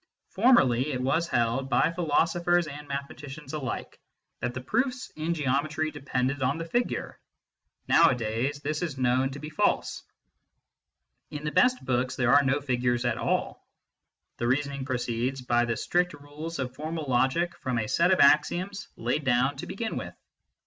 Formerly, it was held by philosophers and mathematicians alike that the proofs in Geometry depended on the figure ; nowadays, this is known to be false. In the best books there are no figures at all. The reasoning proceeds by the strict rules of formal logic from a set of axioms laid down to begin with.